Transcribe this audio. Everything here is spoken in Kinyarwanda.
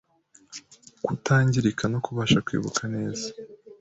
kutangirika no kubasha kwibuka neza.